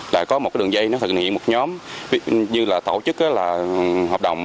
là có một đường dây thực hiện một nhóm như là tổ chức là hợp đồng